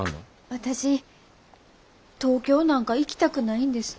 私東京なんか行きたくないんです。